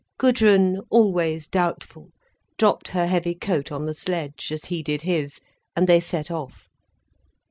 Gudrun, always doubtful, dropped her heavy coat on the sledge, as he did his, and they set off.